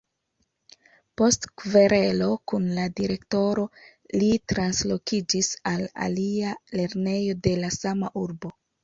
Post kverelo kun la direktoro, li translokiĝis al alia lernejo de la sama urbo.